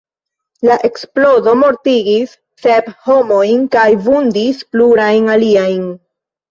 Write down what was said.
La eksplodo mortigis sep homojn kaj vundis plurajn aliajn.